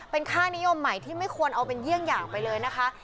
เป็นค่านิยมใหม่ที่ไม่ควรเอาเป็นเยี่ยงอย่างไปเลยนะคะ